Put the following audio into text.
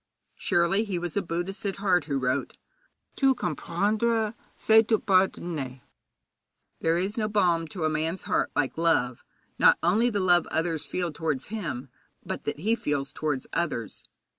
Surely he was a Buddhist at heart who wrote: 'Tout comprendre, c'est tout pardonner.' There is no balm to a man's heart like love, not only the love others feel towards him, but that he feels towards others.